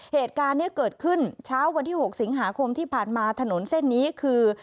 เหตุการณ์นี้เกิดขึ้นเช้าวันที่๖สิงหาคมที่ผ่านมาถนนเส้นนี้คือ